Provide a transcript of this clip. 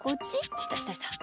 したしたした。